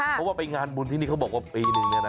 เพราะว่าไปงานบุญที่นี่เขาบอกว่าปีนึงเนี่ยนะ